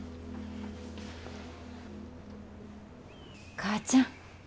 母ちゃん。